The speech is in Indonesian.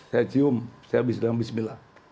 saya cium saya bismil bismillah